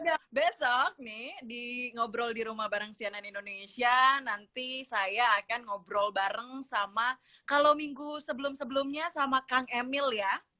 ya besok nih di ngobrol di rumah bareng sianan indonesia nanti saya akan ngobrol bareng sama kalau minggu sebelum sebelumnya sama kang emil ya